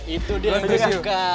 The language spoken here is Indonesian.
itu dia yang harus yuk